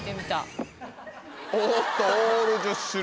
おっとオール１０種類。